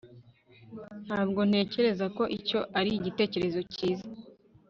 ntabwo ntekereza ko icyo ari igitekerezo cyiza